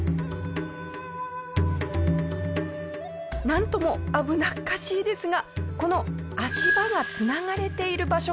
なんとも危なっかしいですがこの足場が繋がれている場所がすごいんです！